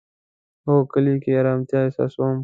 هو، کلی کی ارامتیا احساسوم